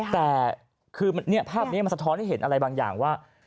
แต่คือภาพนี้มันสะท้อนให้เห็นอะไรบางอย่างว่า